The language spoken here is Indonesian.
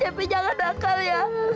cebi jangan nakal ya